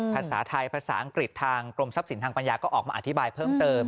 ภาษาไทยภาษาอังกฤษทางกรมทรัพย์สินทางปัญญาก็ออกมาอธิบายเพิ่มเติม